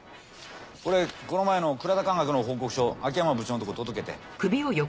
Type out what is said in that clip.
これこの前のクラタ化学の報告書秋山部長のとこ届けて。